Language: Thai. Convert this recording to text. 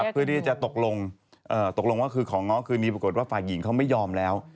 เพื่อที่จะตกลงตกลงว่าคือของง้อคืนนี้ปรากฏว่าฝ่ายหญิงเขาไม่ยอมแล้ว